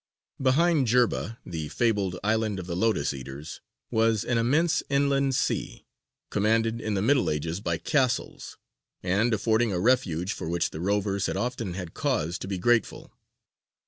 Behind Jerba, the fabled island of the Lotus Eaters, was an immense inland sea, commanded in the Middle Ages by castles, and affording a refuge for which the rovers had often had cause to be grateful.